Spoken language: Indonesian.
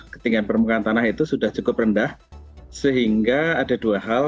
ketinggian permukaan tanah itu sudah cukup rendah sehingga ada dua hal